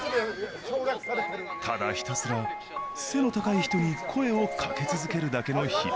ただひたすら背の高い人に声をかけ続けるだけの日々。